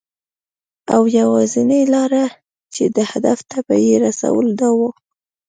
او یوازېنۍ لاره چې دې هدف ته یې رسوله، دا وه .